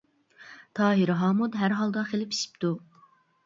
تاھىر ھامۇت ھەر ھالدا خېلى پىشىپتۇ.